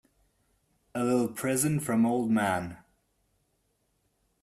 A little present from old man.